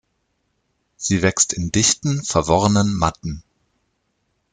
Sie wächst in dichten, verworrenen Matten.